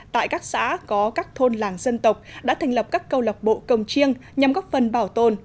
tại các xã có các thôn làng dân tộc đã thành lập các câu lọc bộ cồng chiêng nhằm góp phần bảo tồn